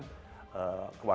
keluarga rekan indonesia